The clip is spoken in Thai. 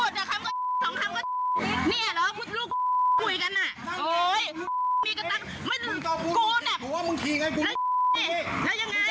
แล้วพูดดีไม่เป็นยังไงทำไมต้องขึ้นรถ